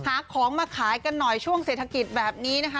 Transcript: หาของมาขายกันหน่อยช่วงเศรษฐกิจแบบนี้นะคะ